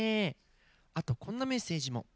あとこんなメッセージも。